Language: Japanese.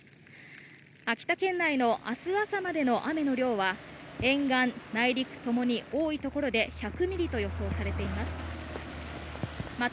秋田県内の明日朝までの雨の量は沿岸・内陸ともに多いところで１００ミリと予想されています。